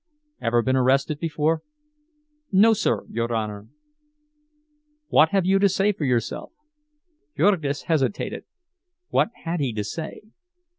"Ever been arrested before?" "No, sir, your Honor." "What have you to say for yourself?" Jurgis hesitated. What had he to say?